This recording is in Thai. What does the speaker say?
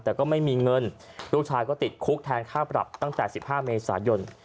แต่ก็ไม่มีเงินลูกชายก็ติดคุกแทนค่าปรับตั้งแต่๑๕เมษายน